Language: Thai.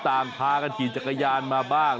กลางกันขยีจักรยานมาบ้าง